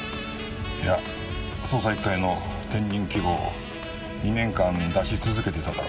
いや捜査一課への転任希望を２年間出し続けてただろう。